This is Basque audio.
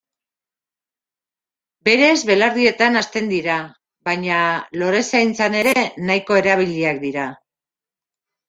Berez belardietan hazten dira, baina lorezaintzan ere nahiko erabiliak dira.